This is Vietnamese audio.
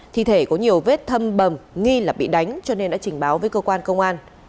thi thể có nhiều vết thâm bầm nghi là bị đánh cho nên đã trình báo với cơ quan công an